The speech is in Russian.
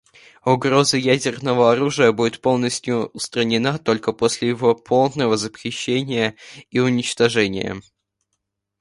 Угроза ядерного оружия будет полностью устранена только после его полного запрещения и уничтожения.